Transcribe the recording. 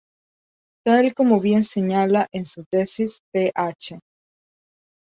Tal como bien señala en su tesis Ph.